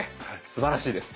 すばらしいです。